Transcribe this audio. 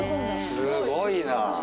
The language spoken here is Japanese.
すごいなぁ。